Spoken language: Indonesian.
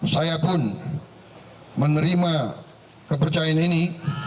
saya pun menerima kepercayaan ini